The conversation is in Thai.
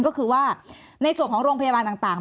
ก็คือว่าในส่วนของโรงพยาบาลต่าง